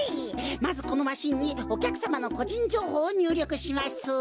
まずこのマシンにおきゃくさまのこじんじょうほうをにゅうりょくします。